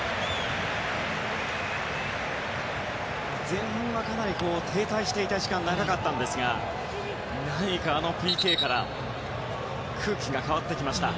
前半はかなり停滞していた時間が長かったですが何か、あのＰＫから空気が変わってきました。